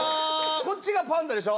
こっちがパンダでしょ？